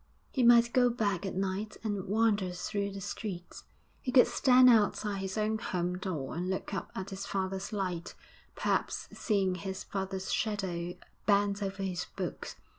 He might go back at night and wander through the streets; he could stand outside his own home door and look up at his father's light, perhaps seeing his father's shadow bent over his books.